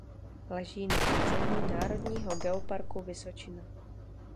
Leží na území národního geoparku Vysočina.